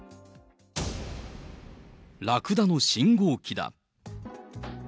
ラクダの信号機だ。